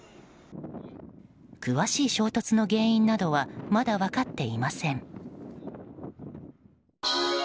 詳しい衝突の原因などはまだ分かっていません。